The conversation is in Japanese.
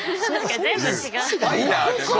全部違う。